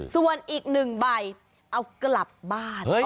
ส่วนอีก๑ใบเอากลับบ้าน